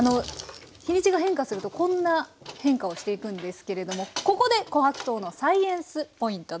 日にちが変化するとこんな変化をしていくんですけれどもここで琥珀糖のサイエンスポイントです。